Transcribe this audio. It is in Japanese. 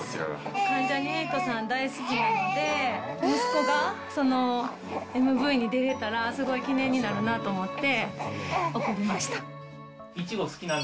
関ジャニ∞さん大好きなんで、息子がＭＶに出れたら、すごい記念になるなと思って送りました。